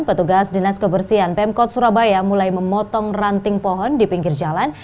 petugas dinas kebersihan pemkot surabaya mulai memotong ranting pohon di pinggir jalan